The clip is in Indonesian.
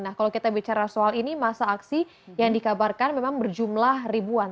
nah kalau kita bicara soal ini masa aksi yang dikabarkan memang berjumlah ribuan